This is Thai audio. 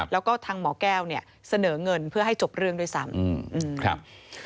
แล้วก็ทางหมอแก้วเนี่ยเสนอเงินเพื่อให้จบเรื่องด้วยซ้ำ